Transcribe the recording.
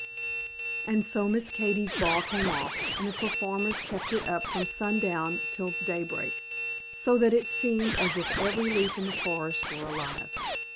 And so Miss Katy's ball came off, and the performers kept it up from sundown till daybreak, so that it seemed as if every leaf in the forest were alive.